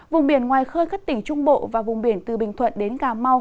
vùng biển ngoài khơi các tỉnh trung bộ và vùng biển từ bình thuận đến cà mau